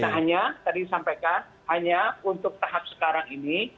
nah hanya tadi disampaikan hanya untuk tahap sekarang ini